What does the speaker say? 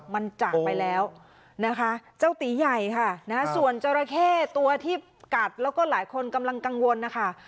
มันจากไปแล้วนะคะเจ้าตีใหญ่ค่ะนะฮะส่วนจราเข้ตัวที่กัดแล้วก็หลายคนกำลังกังวลนะคะ